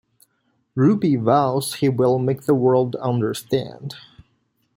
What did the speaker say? Ruby vows he will make the world understand.